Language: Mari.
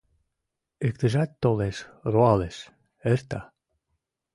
Иктыжат толеш — руалеш, эрта.